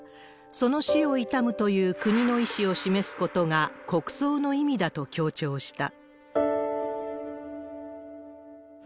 その死を悼むという国の意思を示すことが、国葬の意味だと強調した。